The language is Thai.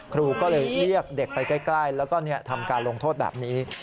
ครูก็เลยเรียกเด็กไปใกล้แล้วก็ทำการลงโทษแบบนี้